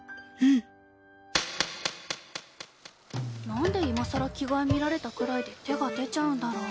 なんで今更着替え見られたくらいで手が出ちゃうんだろう。